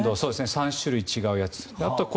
３種類違うやつ。